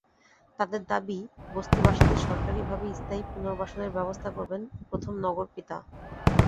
তাদের দাবি, বস্তিবাসীদের সরকারিভাবে স্থায়ী পুনর্বাসনের ব্যবস্থা করবেন প্রথম নগর পিতা।